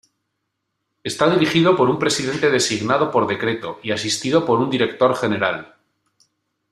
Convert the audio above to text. Está dirigido por un presidente designado por decreto y asistido por un director general.